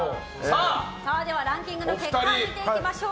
ランキングの結果見ていきましょう。